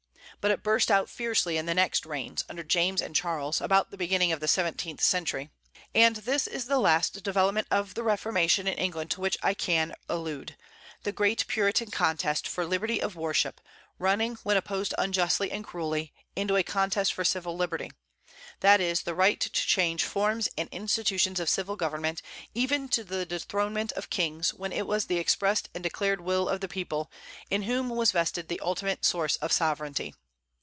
But it burst out fiercely in the next reigns, under James and Charles, about the beginning of the seventeenth century. And this is the last development of the Reformation in England to which I can allude, the great Puritan contest for liberty of worship, running, when opposed unjustly and cruelly, into a contest for civil liberty; that is, the right to change forms and institutions of civil government, even to the dethronement of kings, when it was the expressed and declared will of the people, in whom was vested the ultimate source of sovereignty.